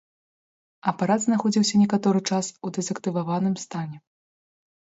Апарат знаходзіўся некаторы час у дэзактываваным стане.